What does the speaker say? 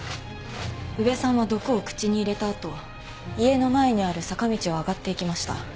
宇部さんは毒を口に入れた後家の前にある坂道を上がっていきました。